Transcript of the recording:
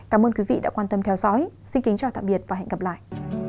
cảm ơn quý vị đã quan tâm theo dõi xin kính chào tạm biệt và hẹn gặp lại